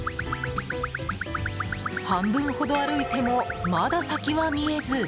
半分ほど歩いてもまだ先は見えず。